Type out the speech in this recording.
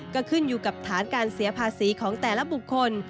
ก็ขึ้นอยู่กับฐานการเสียภาษีของแต่ละบุคคล